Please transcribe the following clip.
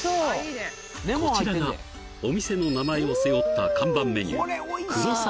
こちらがお店の名前を背負った看板メニュー９６３